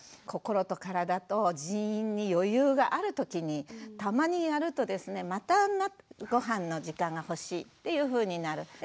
心と体と人員に余裕がある時にたまにやるとですねまたごはんの時間が欲しいっていうふうになる。